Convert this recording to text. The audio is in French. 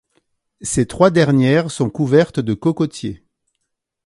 Ces trois dernières sont couvertes de cocotiers.